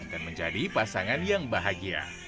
dan menjadi pasangan yang bahagia